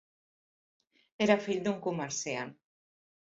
Era fill d'un comerciant.